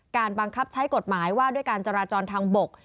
บังคับใช้กฎหมายว่าด้วยการจราจรทางบก